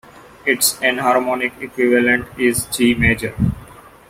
Its enharmonic equivalent is G major.